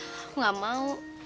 aku gak mau